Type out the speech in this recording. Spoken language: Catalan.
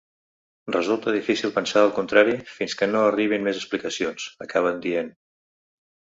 “Resulta difícil pensar el contrari fins que no arribin més explicacions”, acaben dient.